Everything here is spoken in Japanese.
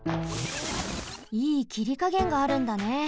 いいきりかげんがあるんだね。